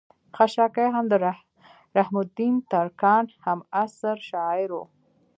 خشاکے هم د رحم الدين ترکاڼ هم عصر شاعر وو